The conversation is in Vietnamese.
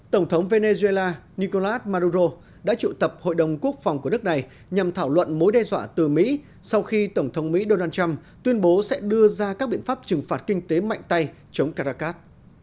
tổng thống venezuela nicolas maduro đã trụ tập hội đồng quốc phòng của nước này nhằm thảo luận mối đe dọa từ mỹ sau khi tổng thống mỹ donald trump tuyên bố sẽ đưa ra các biện pháp trừng phạt kinh tế mạnh tay chống caracas